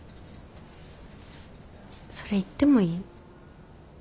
それ行ってもいい？